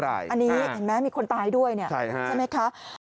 อันนี้เห็นไหมมีคนตายด้วยเนี่ยใช่ไหมคะ